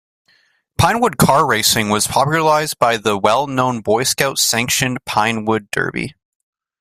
Pinewood car racing was popularized by the well known Boy Scout sanctioned Pinewood Derby.